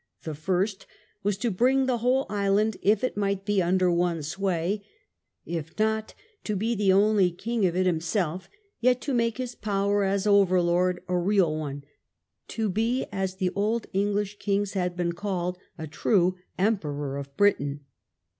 The first was to bring the whole island, *"" if it might be, under one sway — if not to be the only king of it himself, yet to make his power as overlord a real one, to be as the old English kings had been called — sl true * Emperor of Britain